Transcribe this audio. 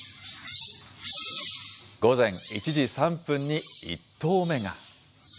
午前１時３分に１頭目が。